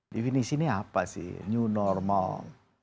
definisi ini apa sih new normal